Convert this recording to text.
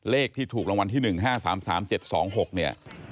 เลขที่ถูกรางวัลที่๑๕๓๓๗๒๖เนี่ย